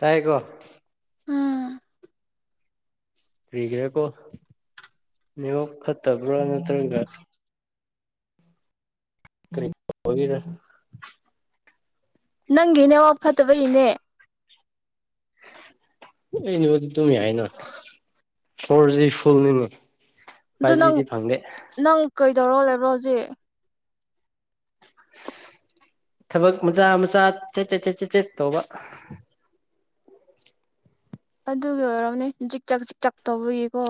ꯇꯥꯏꯀꯣ ꯎꯝ ꯀ꯭ꯔꯤꯒꯤꯔꯥꯀꯣ ꯅꯦꯠꯋꯥꯔꯀ ꯐꯠꯇꯕ꯭ꯔꯥ ꯅꯠꯇ꯭ꯔꯒ ꯀꯔꯤꯒꯤ ꯑꯣꯢꯒꯦꯔꯥ ꯅꯪꯒꯤ ꯅꯦꯠꯋꯥꯔꯀ ꯐꯠꯇꯕꯒꯤꯅꯦ ꯑꯩ ꯅꯦꯠꯋꯥꯔꯀꯇꯤ ꯗꯨꯝ ꯌꯥꯏꯅꯥ ꯐꯣꯔꯖꯤ ꯐꯨꯜꯅꯤꯅꯦ ꯑꯗꯨ ꯐꯥꯏꯚ ꯅꯪ ꯖꯤꯗꯤ ꯐꯪꯗꯦ ꯅꯪ ꯀꯩ ꯇꯧꯔꯒ ꯂꯩꯕ꯭ꯔꯣ ꯍꯧꯖꯤꯛ ꯊꯕꯛ ꯃꯆꯥ ꯃꯆꯥ ꯆꯠ ꯆꯠ ꯆꯠ ꯆꯠ ꯆꯠ ꯇꯧꯕ ꯑꯗꯨꯒꯤ ꯑꯣꯏꯔꯝꯅꯤ ꯖꯤꯛ ꯆꯥꯛ ꯖꯤꯛ ꯆꯥꯛ ꯇꯧꯕꯒꯤꯀꯣ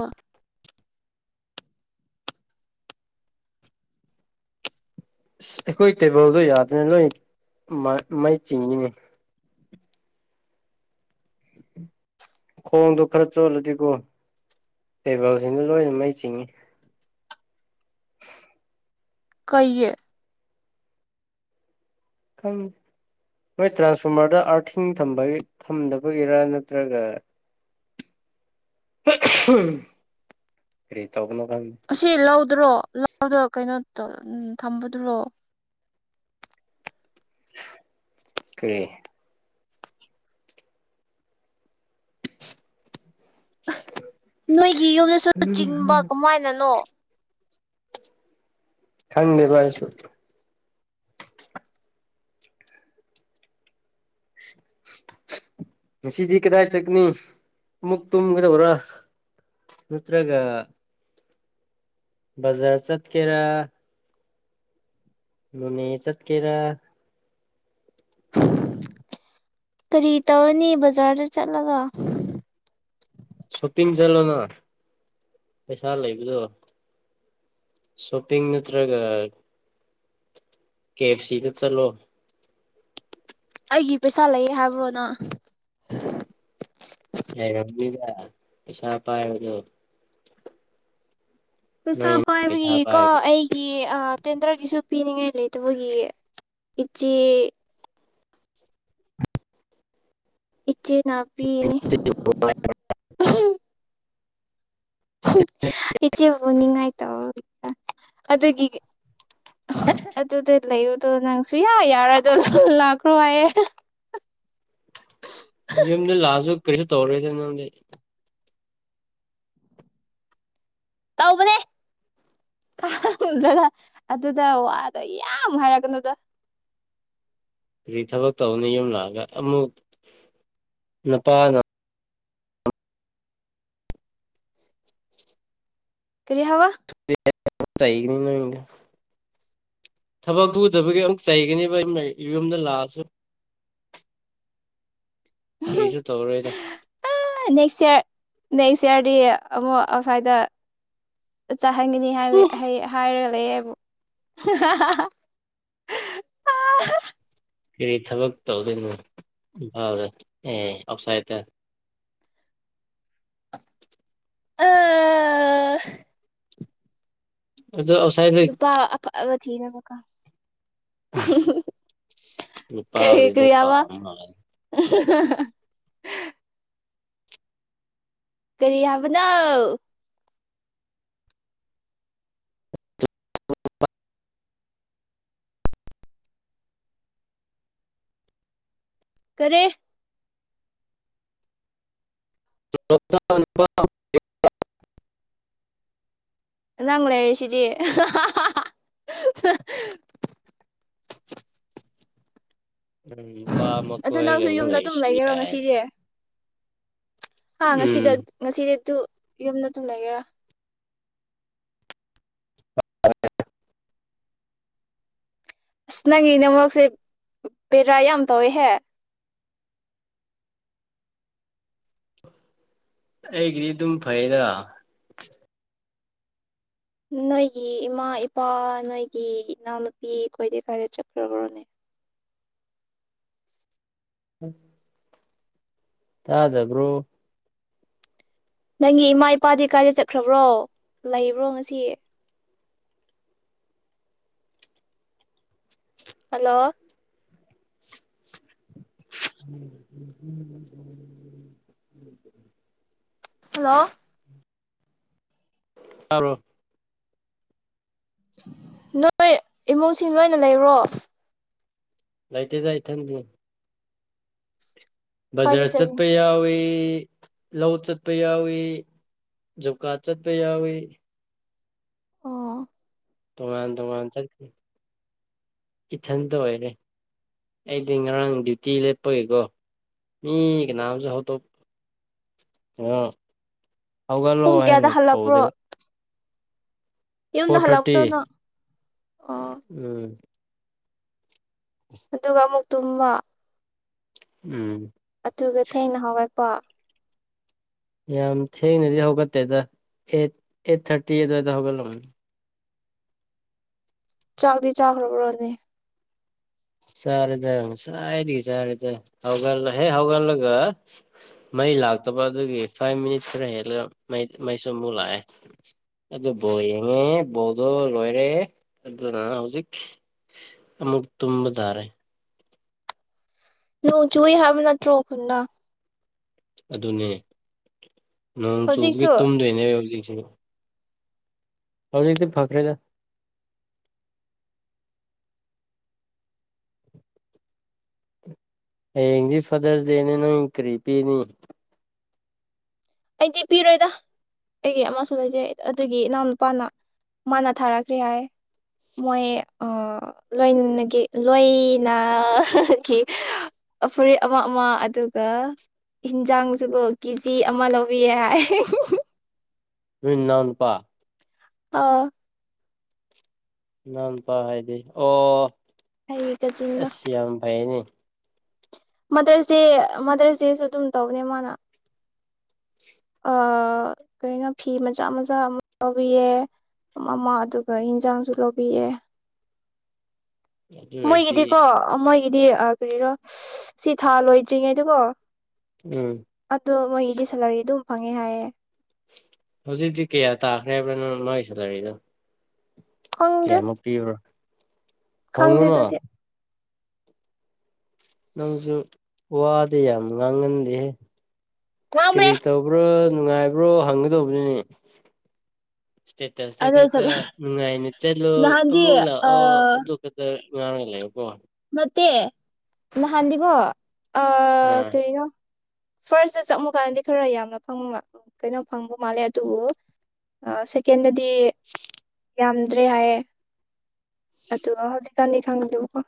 ꯑꯁ ꯑꯩꯈꯣꯏ ꯇꯦꯕꯜꯗꯣ ꯌꯥꯗꯔꯦ ꯂꯣꯏ ꯃꯩꯩ ꯆꯤꯡꯉꯤꯅꯦ ꯈꯣꯡꯗꯣ ꯈꯔ ꯆꯣꯜꯂꯗꯤꯀꯣ ꯇꯦꯕꯜꯁꯤꯅ ꯂꯣꯏꯅ ꯃꯩ ꯆꯤꯡꯉꯤ ꯀꯩꯒꯤ ꯈꯪ ꯅꯣꯏ ꯇ꯭ꯔꯥꯟꯁꯐꯣꯔꯃꯔꯗ ꯑꯥꯔꯊꯤꯡ ꯊꯝꯕꯒꯤ ꯊꯝꯗꯕꯒꯤꯔ ꯅꯠꯇ꯭ꯔꯒ ꯀꯔꯤ ꯇꯧꯕꯅꯣ ꯈꯪ ꯑꯁꯤ ꯂꯧꯗ꯭ꯔꯣ ꯂꯧꯗ ꯀꯩꯅꯣ ꯎꯝ ꯊꯝꯕꯗꯨꯔꯣ ꯀꯩ ꯅꯣꯏꯒꯤ ꯌꯨꯝꯗꯁꯨ ꯆꯤꯡꯕ ꯀꯃꯥꯏꯅꯅꯣ ꯈꯪꯗꯦꯚꯥꯏꯑꯩꯁꯨ ꯉꯁꯤꯗꯤ ꯀꯗꯥꯏ ꯆꯠꯅꯤ ꯑꯃꯨꯛ ꯇꯨꯝꯒꯗꯕꯔ ꯅꯠꯇ꯭ꯔꯒ ꯕꯖꯥꯔ ꯆꯠꯀꯦꯔꯥ ꯅꯣꯅꯦ ꯆꯠꯀꯦꯔꯥ ꯀꯔꯤ ꯇꯧꯔꯅꯤ ꯕꯖꯥꯔꯗ ꯆꯠꯂꯒ ꯁꯣꯞꯄꯤꯡ ꯆꯠꯂꯣꯅ ꯄꯩꯁꯥ ꯂꯩꯕꯗꯣ ꯁꯣꯞꯄꯤꯡ ꯅꯠꯇ꯭ꯔꯒ ꯀꯦ ꯑꯦꯐ ꯁꯤꯗ ꯆꯠꯂꯣ ꯑꯩꯒꯤ ꯄꯩꯁꯥ ꯂꯩꯌꯦ ꯍꯥꯏꯕ꯭ꯔꯣꯅ ꯄꯁꯥꯄ ꯄꯩꯁꯥ ꯄꯥꯏꯕꯒꯤ ꯄꯩꯁꯥ ꯀꯣ ꯄꯥꯏꯕ ꯑꯩꯒꯤ ꯇꯦꯟꯗ꯭ꯔꯒꯤꯁꯨ ꯄꯤꯅꯤꯡꯉꯥꯏ ꯂꯩꯇꯦ ꯑꯗꯨꯒꯤ ꯏꯆꯦ ꯏꯆꯦ ꯉꯅꯥꯄꯤꯤꯅꯦ [unintelligible] ꯏꯆꯦꯕꯨ ꯉꯥꯏ ꯇꯧ ꯑꯗꯨꯒꯤ ꯑꯗꯨꯗ ꯂꯩꯔꯨꯗꯣ ꯅꯪ ꯁꯌꯥ ꯌꯥꯔꯗꯣ ꯂ ꯂꯥꯛꯈ꯭ꯔꯣ ꯍꯥꯏꯌꯦ ꯅ ꯂꯥꯖꯨꯛ ꯀꯔꯤꯁ ꯇꯣꯜꯂꯤ ꯇꯧꯕꯅꯦ꯭ꯔ ꯑꯗꯨꯗ ꯋꯥꯗ ꯌꯥꯝ ꯍꯥꯏꯔꯛꯀꯅꯨꯗ ꯀ ꯊꯕꯛ ꯇꯧꯅ ꯌꯨꯝ ꯂꯥꯛꯑꯒ ꯑꯃꯨꯛ ꯅꯨꯄꯥꯅ ꯀꯔꯤꯍꯋꯥ ꯊꯕꯛ ꯇꯨꯗꯕꯒꯤ ꯑꯃꯨꯛ ꯆꯩꯒꯅꯦꯕ ꯌꯨꯝꯗ ꯂꯥꯛꯑꯁꯨ ꯀꯔꯤꯁꯨ ꯇꯧꯔꯣꯏꯗ ꯑ ꯅꯦꯛꯁ ꯏꯌꯔ ꯅꯦꯛꯁ ꯏꯌꯥꯔꯗꯤ ꯑꯃꯨꯛ ꯑꯥꯎꯠꯁꯥꯏꯗ ꯆꯥꯍꯟꯒꯅꯤ ꯍꯥꯏꯕ ꯑꯩ ꯍꯥꯏꯔꯒ ꯂꯩ [unintelligible] ꯐ ꯊꯕꯛ ꯇꯧꯗꯣꯏꯅꯤ ꯐ ꯑꯦ ꯑꯐꯁꯥꯏꯠꯇ ꯑꯥ ꯑꯗꯣ ꯑꯥꯎꯠꯁꯥꯏꯗꯠꯇ ꯂꯨꯄꯥ ꯑꯕ ꯊꯤꯅꯕꯀꯥ ꯀ ꯅꯨꯄꯥꯕꯨꯗꯤ ꯑꯗꯨꯝ ꯀꯔꯤꯌꯥꯕ ꯑ ꯄꯥꯝ ꯃꯥꯜꯂꯦ ꯀꯔꯤ ꯍꯥꯏꯕꯅ ꯎ [unintelligible] ꯀꯔꯤ [unintelligible] ꯅꯪ ꯂꯩꯔꯁꯤꯗꯤ ꯎꯝ ꯄꯃꯛ ꯑꯗꯨ ꯑꯣꯏꯔ ꯅꯪꯁꯨ ꯌꯨꯝꯗ ꯑꯗꯨꯝ ꯃꯩꯁ ꯂꯩꯒꯦꯔꯣ ꯉꯁꯤꯗꯤ ꯍꯥ ꯉꯁꯤꯗ ꯉꯁꯤꯗ ꯑꯗꯨꯗꯨ ꯌꯨꯝꯅ ꯊꯨꯝ ꯂꯩꯒꯦꯔꯥ ꯑꯁ ꯅꯪꯒꯤ ꯅꯃꯛꯁꯦ ꯕꯦꯔꯥ ꯌꯥꯝ ꯇꯧꯋꯦꯍꯦ ꯑꯩꯒꯤꯗꯤ ꯑꯗꯨꯝ ꯐꯩꯗ ꯅꯣꯏꯒꯤ ꯏꯃꯥ ꯏꯄꯥ ꯅꯣꯏꯒꯤ ꯏꯅꯥꯎꯅꯨꯄꯤ ꯀꯣꯏꯗ ꯀꯥꯏꯗ ꯆꯠꯈ꯭ꯔꯕ꯭ꯔꯣꯅꯦ ꯎꯝ ꯇꯥꯗꯕ꯭ꯔꯣ ꯅꯪꯒꯤ ꯏꯃꯥ ꯏꯄꯥꯗꯤ ꯀꯥꯏꯗ ꯆꯠꯈ꯭ꯔꯕ꯭ꯔꯣ ꯂꯩꯕ꯭ꯔꯣ ꯉꯁꯤ ꯍꯜꯂꯣ ꯎꯝ ꯍꯜꯂꯣ ꯇꯔꯣ ꯅꯣꯏ ꯏꯃꯨꯡꯁꯤꯡ ꯂꯣꯏꯅ ꯂꯩꯔꯣ ꯂꯥꯏꯇꯗꯥꯏ ꯊ ꯀꯥꯏꯗ ꯖꯔ ꯆꯠꯂꯤ ꯆꯠꯄꯩ ꯌꯥ ꯑꯣꯏꯣꯏ ꯂꯧ ꯆꯠꯄ ꯌꯥꯎꯏ ꯖꯨꯀꯥ ꯆꯠꯄ ꯌꯥꯎꯏ ꯑꯣ ꯇꯣꯉꯥꯟ ꯇꯣꯉꯥꯟ ꯆꯠꯀꯦ ꯏꯊꯟꯇ ꯑꯣꯏꯔꯦ ꯑꯩꯗꯤ ꯉꯔꯥꯡ ꯗ꯭ꯌꯨꯇꯤ ꯂꯦꯞꯄꯒꯤꯀꯣ ꯃꯤ ꯀꯅꯥꯝꯨ ꯍꯧꯗꯣꯛꯄ ꯑꯣ ꯍꯧꯧꯒꯂꯣ ꯄꯨꯡ ꯀꯌꯥꯗ ꯍꯥꯏꯅ ꯍꯜꯂꯛꯄ꯭ꯔꯣ ꯀꯧꯗꯕ ꯌꯨꯝꯗ ꯍꯜꯂꯥꯎꯛꯇꯅ ꯎꯝ ꯑꯗꯨꯒ ꯑꯃꯨꯛ ꯇꯨꯝꯕ ꯎꯝ ꯑꯊꯒ ꯊꯦꯡꯩꯅ ꯍꯋꯥ ꯄ [unintelligible] ꯌꯥꯝ ꯊꯦꯡꯅꯗꯤ ꯍꯧꯒꯠꯇꯦꯗ ꯑꯩꯠ ꯑꯩꯠ ꯊꯥꯔꯇꯤ ꯑꯗꯨꯋꯥꯏꯗ ꯍꯧꯒꯠꯂꯝꯅꯦ ꯆꯥꯛꯗꯤ ꯆꯥꯈ꯭ꯔꯕ꯭ꯔꯣꯗꯤ ꯆꯥꯔꯦꯗ ꯉꯁꯥꯏꯗꯒꯤ ꯆꯥꯔꯦꯗ ꯍꯧꯂ ꯍꯦꯛ ꯍꯧꯒꯠꯂꯒ ꯃꯩ ꯂꯥꯛꯇꯕ ꯑꯗꯨꯒꯤ ꯐꯥꯏꯚ ꯃꯤꯅꯤꯠꯁ ꯈꯔ ꯍꯦꯜꯂꯒꯩ ꯃꯩꯁꯨ ꯑꯃꯨꯛ ꯂꯥꯛꯑꯦ ꯑꯗꯨ ꯕꯣ ꯌꯦꯡꯉꯦ ꯕꯣꯗꯣ ꯂꯣꯏꯔꯦ ꯑꯗꯨꯅ ꯍꯧꯖꯤꯛ ꯑꯃꯨꯛ ꯇꯨꯝꯃ ꯇꯔꯦ ꯂ [unintelligible] ꯆꯨꯏ ꯍꯥꯏꯕꯅ ꯇ꯭ꯔꯣ ꯈꯨꯅ ꯑꯗꯨꯅꯦ ꯅꯪ ꯆꯨꯞꯒꯤ ꯍꯧꯖꯤꯛꯁꯨ ꯇꯨꯝꯗꯦꯅꯦ ꯌ ꯎ [unintelligible] ꯍꯧꯗꯤꯗꯤ ꯐꯥꯈ꯭ꯔꯦꯗ ꯍꯌꯦꯡꯗꯤ ꯐꯥꯗꯔꯁ ꯗꯦꯅꯦ ꯅꯣꯏ ꯀꯔꯤ ꯄꯤꯅꯤ ꯑꯩꯗꯤ ꯄꯤꯔꯣꯏꯗ ꯑꯩꯒꯤ ꯑꯃꯁꯨ ꯂꯩꯖꯩ ꯑꯗꯨꯒꯤ ꯏꯅꯥꯎꯅꯨꯄꯥꯅ ꯃꯥꯅ ꯊꯥꯔꯛꯈ꯭ꯔꯦ ꯍꯥꯏ ꯃꯣꯏ ꯂꯣꯏꯅꯒꯤ ꯂꯣꯏꯅꯒꯤ ꯐꯨꯔꯤꯠ ꯑꯃ ꯑꯃ ꯑꯗꯨꯒ ꯏꯟꯖꯥꯡꯁꯤꯒ ꯀꯦꯖꯤ ꯑꯃ ꯂꯧ ꯌꯥ ꯃꯤꯟꯅꯄꯥ ꯑꯥ ꯅꯥꯟ ꯄ ꯍꯥꯏꯗꯤ ꯑꯣ ꯑꯩꯒꯤ ꯀꯖꯤꯟꯗꯣ ꯑꯁꯤ ꯌꯥꯝ ꯐꯥꯏꯅꯦ ꯃꯥꯇꯔꯁꯦ ꯃꯥꯇꯔꯁꯦꯁꯨ ꯑꯗꯨꯝ ꯇꯧꯅꯦ ꯃꯥꯅ ꯀꯣ ꯐꯤ ꯃꯆꯥ ꯃꯆꯥ ꯑꯃ ꯂꯧꯕꯤꯌꯦ ꯑꯃ ꯑꯗꯨꯒ ꯌꯦꯟꯁꯥꯡꯁꯨ ꯂꯧꯕꯤꯌꯦ ꯑꯗꯨ ꯑꯣꯏꯔꯗꯤ ꯃꯣꯏꯒꯤꯗꯤꯀꯣ ꯃꯣꯏꯒꯤ ꯗꯤ ꯀꯔꯤꯔꯣ ꯁꯤ ꯊꯥ ꯂꯣꯏꯗ꯭ꯔꯤꯉꯩꯗꯨꯀꯣ ꯑ ꯎꯝ ꯑꯗꯨꯣ ꯃꯣꯏ ꯏꯗꯤ ꯁꯂꯔꯤ ꯑꯗꯨ ꯐꯪꯉꯦ ꯍꯥꯏꯌꯦꯦ ꯍꯧꯖꯤꯛꯇꯤ ꯀꯌꯥ ꯇꯥꯈ꯭ꯔꯦ ꯍꯥꯏꯕ꯭ꯔꯅꯣ ꯅꯥꯏ ꯁꯗꯔꯤꯅꯣ ꯀꯃꯛꯇꯤ ꯈꯪꯗꯦ ꯑꯣꯏꯔꯣ ꯈꯪꯗꯦ ꯐꯉꯅ ꯑꯗꯨꯗꯤ ꯅꯪꯁꯨ ꯋꯥꯗꯤ ꯌꯥꯝ ꯉꯥꯡꯍꯟꯗꯦꯍꯦ ꯉꯥꯡꯕꯅꯦ ꯀꯔꯤꯔꯤꯠꯇꯕ꯭ꯔꯣ ꯅꯨꯡꯉꯥꯏꯕ꯭ꯔꯣ ꯍꯪꯒꯗꯧꯕꯅꯤꯅꯦ ꯏꯁꯇꯦꯇꯁꯇ ꯑꯗꯨ ꯈꯛꯇ ꯅꯨꯡꯉꯥꯏꯅ ꯆꯠꯂꯣ ꯅꯍꯥꯟꯗꯤ ꯑꯃꯨꯛ ꯂꯥꯛꯑꯣ ꯑꯥ ꯑꯗꯨꯒ ꯈꯛꯇ ꯀꯉ ꯂꯩꯦ ꯏ ꯅꯠꯇꯦ ꯅꯍꯥꯟꯕꯤꯕ ꯑ ꯑꯥ ꯀꯔꯤꯣ ꯐꯥꯔꯁꯇ ꯆꯪꯉꯨꯀꯥꯟꯗꯗꯤ ꯈꯔ ꯌꯥꯝꯅ ꯐꯪ ꯀꯩꯅꯣ ꯐꯪꯕ ꯃꯥꯜꯂꯦ ꯑꯗꯨꯕꯨ ꯁꯦꯀꯦꯟꯗꯗꯤ ꯇꯦ ꯌꯥꯝꯗ꯭ꯔꯦ ꯍꯥꯏꯌꯦ ꯑꯗꯨꯒ ꯍꯧꯖꯤꯛꯀꯥꯟꯗꯤ ꯈꯪꯗꯦꯕꯀꯣ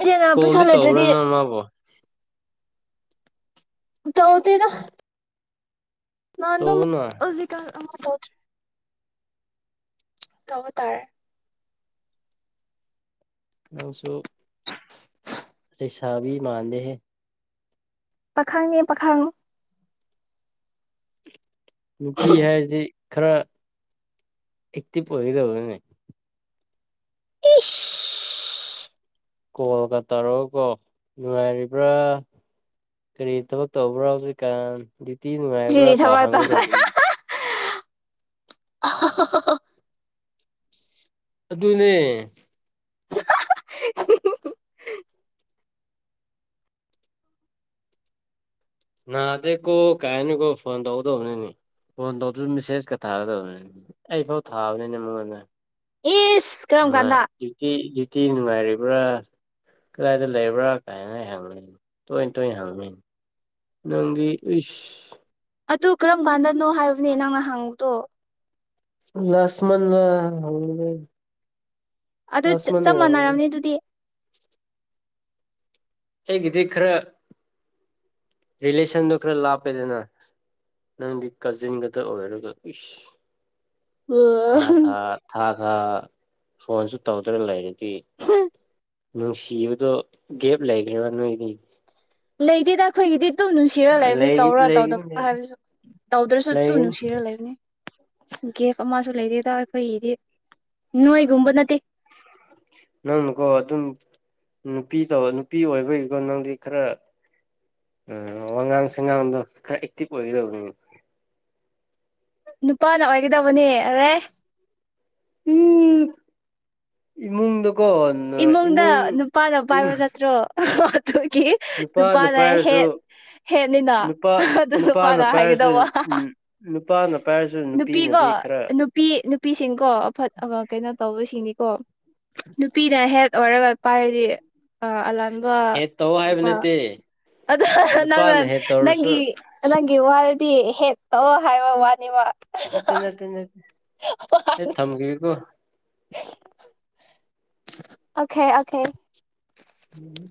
ꯑꯩꯅ ꯄꯩꯁꯥ ꯀꯣꯜꯗꯤ ꯂꯩꯇ꯭ꯔꯗꯤ ꯇꯕꯨꯔꯅꯃꯕꯣ ꯍꯧꯇꯩ ꯅ ꯅꯗ ꯇꯧꯒꯅꯣ ꯍꯧꯖꯤ ꯇꯧꯗ꯭ꯔꯦ ꯇꯕꯨ ꯇꯔ ꯅꯜꯁꯨ ꯄꯁꯥꯕꯤ ꯃꯥꯅꯗ ꯍꯦ ꯄꯥꯈꯥꯡꯉꯦ ꯄꯥꯈꯥꯡꯉ ꯅꯨꯨꯄꯤ ꯍꯥꯏꯗꯤ ꯈꯔ ꯑꯦꯛꯇꯤꯚ ꯑꯣꯏꯒꯗꯧꯕꯅꯦ ꯈꯨꯁ ꯀꯣꯜꯒ ꯇꯧꯔꯣꯀꯣ ꯅꯨꯡꯉꯥꯏꯔꯤꯕ꯭ꯔꯥ ꯀꯔꯤ ꯊꯕꯛ ꯇꯧꯕ꯭ꯔꯥ ꯍꯧꯖꯤꯛꯀꯥꯟ ꯭ꯌꯇꯤ ꯅꯨꯡꯉꯥꯏꯕ꯭ꯔꯥ ꯀꯥ ꯍꯪꯒꯗꯧꯕꯅꯤꯅꯦ ꯑꯍꯍꯍꯍ꯫ ꯑꯗꯨꯅꯦ꯫ [unintelligible] ꯅꯥꯗꯦꯀꯣ ꯀꯥꯏꯅꯀꯣ ꯐꯣꯟ ꯇꯧꯒꯗꯧꯕꯅꯤꯅꯦ ꯐꯣꯟ ꯇꯧꯗꯁꯨ ꯃꯦꯁꯦꯖꯀ ꯊꯥꯒꯗꯕꯅꯤ ꯑꯩ ꯐꯥꯎ ꯊꯥꯕꯅꯤꯅ ꯃꯉꯣꯟꯗ꯫ ꯏꯁ ꯀꯔꯝ ꯑ ꯀꯥꯟꯗ ꯇꯤꯇꯤ ꯗꯤꯇꯤ ꯅꯨꯡꯉꯥꯏꯔꯤ ꯕ꯭ꯔ ꯀꯗꯥꯏꯗ ꯂꯩꯕ꯭ꯔꯥ ꯀꯥꯏꯅ ꯍꯪꯉꯤ ꯇꯣꯏꯅ ꯇꯣꯏꯅ ꯍꯪꯅꯤ꯫ ꯅꯪꯗꯤ ꯏꯁ꯫ ꯑꯗꯨ ꯀꯔꯝ ꯀꯥꯟꯗꯅꯣ ꯍꯥꯏꯕꯅꯦ ꯅꯪꯅ ꯍꯪꯕꯗꯣ꯫ ꯂꯥꯁ ꯃꯟꯂꯥ [unintelligible] ꯑꯗꯨ ꯆꯞ ꯃꯥꯟꯅꯔꯕꯅꯤ ꯑꯗꯨꯗꯤ꯫ ꯑꯩꯒꯤꯗꯤ ꯈꯔ ꯔꯤꯂꯦꯁꯟꯗꯣ ꯈꯔ ꯂꯥꯞꯄꯦꯗꯅ ꯅꯪꯗꯤ ꯀꯖꯤꯟꯒꯗ ꯑꯣꯏꯔꯒ ꯏꯁ꯫ ꯑꯣ ꯊꯥ ꯊꯥ ꯊꯥ꯫ ꯑ ꯐꯣꯟꯁꯨ ꯇꯧꯗꯨꯅ ꯂꯩꯔꯤꯅꯤ꯫ [inaudible] ꯅꯨꯡꯁꯤꯕꯗꯣ ꯒꯦꯞ꯫ ꯂꯩꯒ꯭ꯔꯦꯕ ꯅꯣꯏꯗꯤ꯫ ꯂꯩꯗꯦꯗ ꯑꯈꯣꯏꯒꯤꯗꯤ꯫ ꯇꯨꯝ ꯅꯨꯡꯁꯤꯔ ꯂꯩꯕꯅꯦ ꯂꯩ ꯇꯧꯔ ꯇꯧꯗꯕ ꯂꯩꯒꯅꯤ ꯍꯥꯏꯕꯁꯨ ꯇꯧꯗ꯭ꯔꯁꯨ ꯑꯗꯨꯨꯝ ꯂꯩꯒꯅꯤ ꯅꯨꯡꯁꯤꯔ ꯂꯩꯕꯅꯤ ꯒꯦꯞ ꯑꯃꯁꯨ꯫ ꯂꯩꯗꯦꯗ ꯑꯩꯈꯣꯏꯒꯤꯗꯤ ꯅꯣꯏꯒꯨꯝꯕ ꯅꯠꯇꯦ꯫ ꯅꯪꯅꯀꯣ ꯑꯗꯨꯝ ꯅꯨꯄꯤ ꯇ ꯅꯨꯄꯤ ꯑꯣꯏꯕꯒꯤꯀꯣ ꯅꯪꯗꯤ ꯈꯔ ꯋꯥꯉꯥꯡ ꯁꯉꯥꯡꯗꯣ ꯈꯔ ꯑꯦꯛꯇꯤꯚ ꯑꯣꯏꯒꯗꯕꯅꯦ꯫ ꯅꯨꯄꯥꯅ ꯑꯣꯏꯒꯗꯕꯅꯦ ꯑꯔꯦ꯫ ꯎꯝ ꯏꯃꯨꯡꯗ꯫ ꯏꯃꯨꯡꯗ ꯅꯨꯄꯥꯅ ꯄꯥꯏꯕ ꯅꯠꯇ꯭ꯔꯣ꯫ [unintelligible] ꯑꯗꯨꯒꯤ ꯅꯨꯄꯥꯅ ꯍꯦꯠ ꯍꯦꯠꯅꯤꯅ ꯅꯨꯄꯥ ꯑꯗꯨ ꯅꯨꯄꯥꯅ ꯄꯥꯏꯔꯁꯨ ꯍꯥꯏꯒꯗꯧꯕ ꯎꯝ ꯅꯨꯄꯥꯅ ꯄꯥꯏꯔꯁꯨ ꯅꯨꯄꯤꯀꯣ ꯅꯨꯄꯤꯅꯗꯤ ꯈꯔ ꯅꯨꯄꯤ ꯅꯨꯄꯤꯁꯤꯡꯀꯣ ꯑꯐꯠ ꯀꯩꯅꯣ ꯇꯧꯕꯁꯤꯡꯅꯤ꯫ ꯀꯣ꯫ [inaudible] ꯄꯤꯅ ꯍꯦꯠ ꯑꯣꯏꯔꯒ꯫ ꯄꯥꯏꯔꯗꯤ ꯑ ꯑꯂꯥ ꯍꯦ ꯇꯧ ꯍꯥꯏꯕ ꯅꯠꯇꯦ꯫ ꯑ ꯅꯪꯅ ꯅꯨꯄꯥꯅ ꯍꯦꯠ ꯇꯧꯔꯁꯨ ꯅꯪꯒꯤ ꯅꯪ꯫ ꯒꯤ ꯋꯥꯗꯨꯗꯤ ꯍꯦꯠꯇꯣ ꯍꯥꯏꯕ ꯋꯥꯅꯦꯕ꯫ ꯅꯠꯇꯦ ꯅꯠꯇꯦ ꯅꯠꯇꯦ꯫ ꯊꯝꯒꯤꯒꯦ ꯀꯣ꯫ [inaudible] ꯑꯈꯦ ꯑꯈꯦ꯫ ꯎꯝ